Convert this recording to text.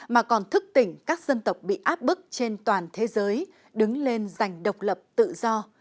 mà còn thức tỉnh các dân tộc bị áp bức trên toàn thế giới đứng lên giành độc lập tự do